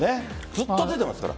ずっと出てますから。